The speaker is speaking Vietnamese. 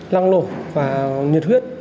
lăng lộ và nhiệt huyết